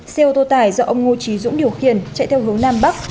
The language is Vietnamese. xe ô tô tải do ông ngô trí dũng điều khiển chạy theo hướng nam bắc